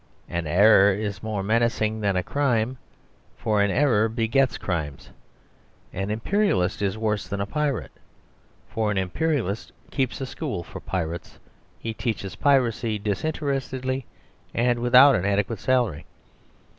An error is more menacing than a crime, for an error begets crimes. An Imperialist is worse than a pirate. For an Imperialist keeps a school for pirates; he teaches piracy disinterestedly and without an adequate salary.